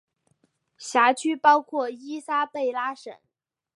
辖区包括伊莎贝拉省。